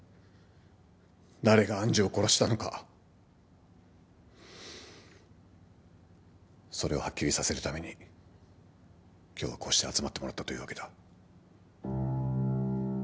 誰が愛珠を殺したのかそれをはっきりさせるために今日はこうして集まってもらったというわけだ。